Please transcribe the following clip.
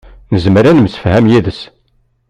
Nezmer ad nemsefham yid-s.